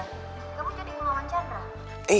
kamu jadi ngelawan chandra